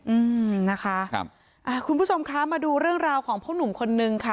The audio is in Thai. อืมนะคะครับอ่าคุณผู้ชมคะมาดูเรื่องราวของพ่อหนุ่มคนนึงค่ะ